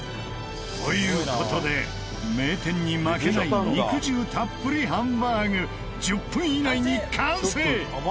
という事で名店に負けない肉汁たっぷりハンバーグ１０分以内に完成！